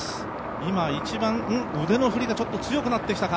今一番腕の振りが強くなってきたか。